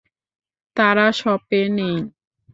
তারা শপে নেই।